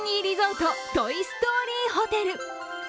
リゾート・トイ・ストーリーホテル。